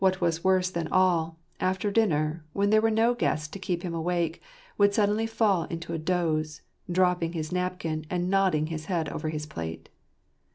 was worse than all, after dinner, when there were no guests to keep him awake, would suddenly fall into a doze, dropping his napkin, and nodding his head over his plate.